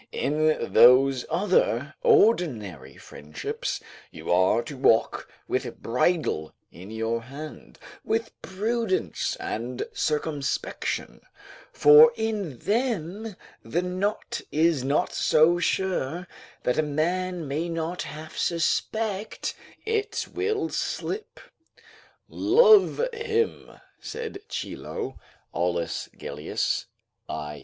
In those other ordinary friendships, you are to walk with bridle in your hand, with prudence and circumspection, for in them the knot is not so sure that a man may not half suspect it will slip. "Love him," said Chilo, [Aulus Gellius, i.